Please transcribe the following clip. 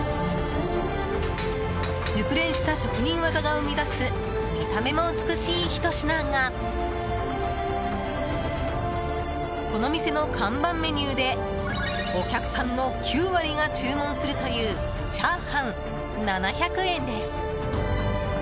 熟練した職人技が生み出す見た目も美しいひと品がこの店の看板メニューでお客さんの９割が注文するというチャーハン、７００円です。